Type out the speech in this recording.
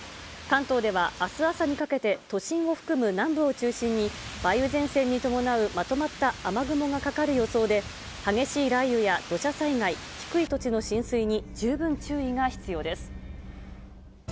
関東ではあす朝にかけて、都心を含む南部を中心に、梅雨前線に伴うまとまった雨雲がかかる予想で、激しい雷雨や土砂災害、低い土地の浸水に十分注意が必要です。